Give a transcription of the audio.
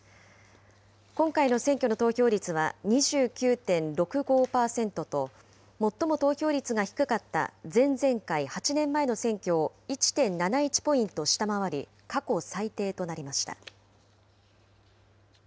今回の選挙の投票率は２９．６５％と、最も投票率が低かった前々回、８年前の選挙を１．７１ポイント下回り、過去最低となりました。